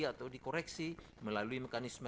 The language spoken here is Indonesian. atau dikoreksi melalui mekanisme